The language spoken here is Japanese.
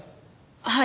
はい。